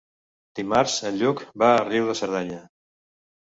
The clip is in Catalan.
Dimarts en Lluc va a Riu de Cerdanya.